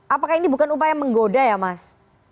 apakah ini bukan upaya menggoda ya mas